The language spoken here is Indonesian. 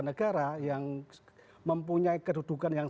negara yang mempunyai kedudukan yang